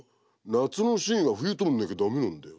「冬のシーンは夏撮んなきゃ駄目なんだよ」